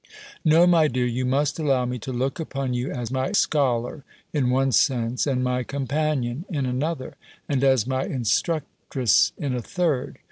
"No, my dear, you must allow me to look upon you as my scholar, in one sense; as my companion in another; and as my instructress, in a third.